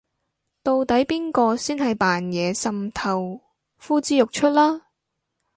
到底邊個先係扮嘢滲透呼之欲出啦